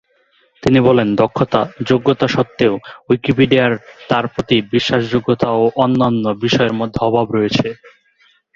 তিনি বলেন, দক্ষতা, যোগ্যতা সত্ত্বেও, উইকিপিডিয়ার তার প্রতি শ্রদ্ধা বিশ্বাসযোগ্যতা ও অন্যান্য বিষয়ের মধ্যে অভাব রয়েছে।